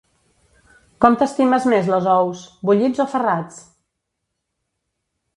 Com t'estimes més les ous, bullits o ferrats?